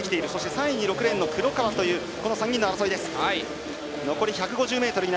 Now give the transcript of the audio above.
３位に６レーンの黒川という争いです。